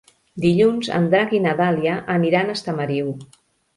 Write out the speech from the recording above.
Dilluns en Drac i na Dàlia aniran a Estamariu.